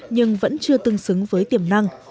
nhưng vẫn chưa tương xứng với tiềm năng